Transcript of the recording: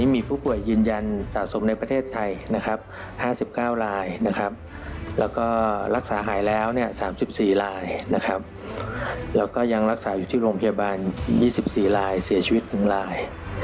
มีผู้ป่วยยืนยันสะสมในประเทศไทย๕๙ลายและรักษาหายแล้ว๓๔ลายและยังรักษาอยู่ที่โรงพยาบาล๒๔ลายเสียชีวิต๑ลาย